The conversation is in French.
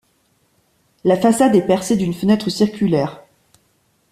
La façade est percée d'une fenêtre circulaire.